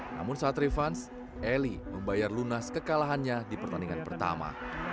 namun saat revans eli membayar lunas kekalahannya di pertandingan pertama